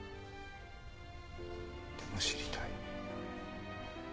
でも知りたい。